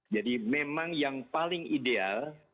jadi memang yang paling ideal